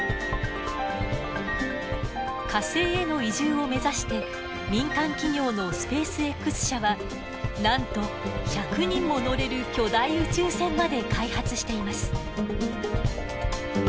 火星への移住を目指して民間企業のスペースＸ社はなんと１００人も乗れる巨大宇宙船まで開発しています。